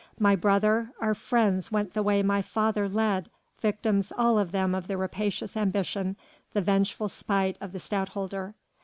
My brother, our friends went the way my father led, victims all of them of the rapacious ambition, the vengeful spite of the Stadtholder.